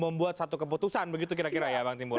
membuat satu keputusan begitu kira kira ya bang timbul